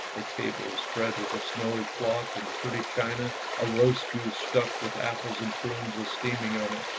The table was spread with a snowy cloth and pretty china; a roast goose stuffed with apples and prunes was steaming on it.